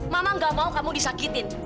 mama gak mau kamu disakitin